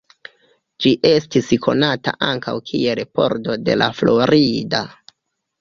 Ĝi estis konata ankaŭ kiel pordo de La Florida.